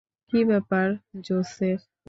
কি ব্যাপার, জোসেফ?